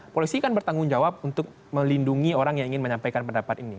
polisi kan bertanggung jawab untuk melindungi orang yang ingin menyampaikan pendapat ini